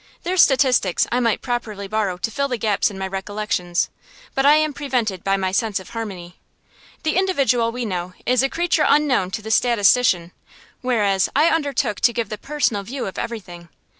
Their statistics I might properly borrow to fill the gaps in my recollections, but I am prevented by my sense of harmony. The individual, we know, is a creature unknown to the statistician, whereas I undertook to give the personal view of everything.